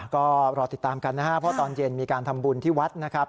ก็รอติดตามกันนะครับเพราะตอนเย็นมีการทำบุญที่วัดนะครับ